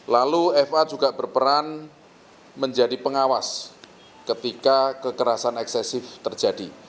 lalu fa juga berperan menjadi pengawas ketika kekerasan eksesif terjadi